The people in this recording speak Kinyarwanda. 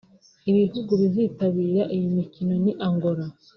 Ibihugu bizitabira iyi myitozo ni Angola